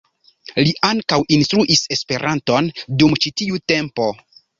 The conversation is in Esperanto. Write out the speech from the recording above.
Li ankaŭ instruis Esperanton dum ĉi tiu tempo.